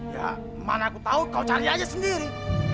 ya mana aku tahu kau cari aja sendiri